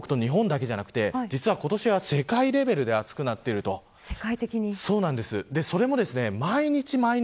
昨日、中国と日本だけじゃなくて今年は世界レベルで暑くなっています。